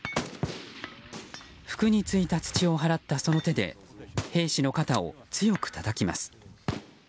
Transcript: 服についた土を払ったその手で兵士の肩を強くたたきます。